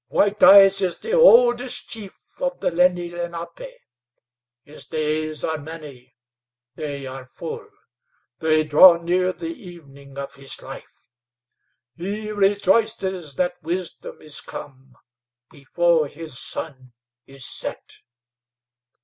White Eyes is the oldest chief of the Lenni Lenape. His days are many; they are full; they draw near the evening of his life; he rejoices that wisdom is come before his sun is set.